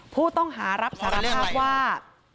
ผู้ต้องหารับสารภาพว่า